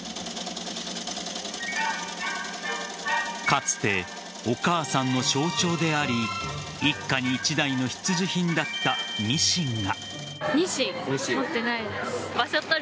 かつて、お母さんの象徴であり一家に一台の必需品だったミシンが。